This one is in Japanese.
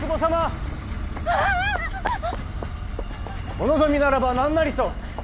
お望みならば何なりと！